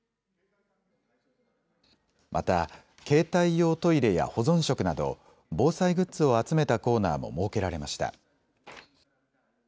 また携帯用トイレや保存食など防災グッズを集めたコーナーも設けられました。